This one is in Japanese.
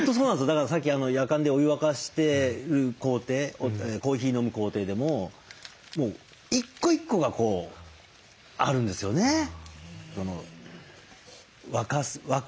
だからさっきやかんでお湯沸かしてる工程コーヒー飲む工程でももう一個一個がこうあるんですよね沸くまで。